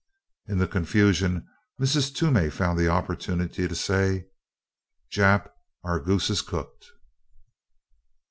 In the confusion Mrs. Toomey found the opportunity to say: "Jap, our goose is cooked!"